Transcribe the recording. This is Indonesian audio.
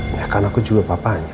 ya karena aku juga papanya